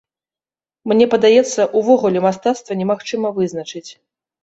Мне падаецца, увогуле мастацтва немагчыма вызначыць.